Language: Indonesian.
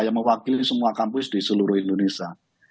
yang mewakili semua kampus di seluruh indonesia